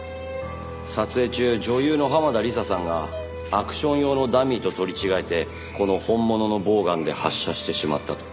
撮影中女優の濱田梨沙さんがアクション用のダミーと取り違えてこの本物のボウガンで発射してしまったと。